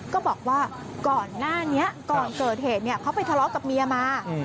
ก็บอกว่าก่อนหน้านี้ก่อนเกิดเหตุเขาไปทะเลาะกับเมียมา